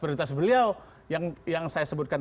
prioritas beliau yang saya sebutkan